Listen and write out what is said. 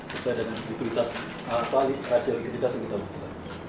sesuai dengan kualitas atau hasil kualitas yang kita butuhkan